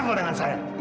kamu sama dengan saya